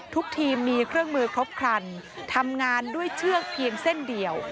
ทุกทีมมีเครื่องมือครบครันทำงานด้วยเชือกเพียงเส้นเดียว